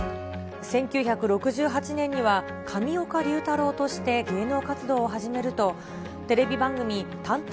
１９６８年には上岡龍太郎として芸能活動を始めると、テレビ番組、探偵！